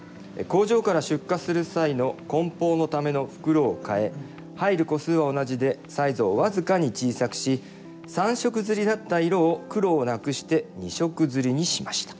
工場から出荷する際の梱包のための袋を変え入る個数は同じでサイズを僅かに小さくし３色刷りだった色を黒をなくして２色刷りにしました